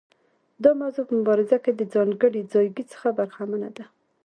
دا موضوع په مبارزه کې له ځانګړي ځایګي څخه برخمنه ده.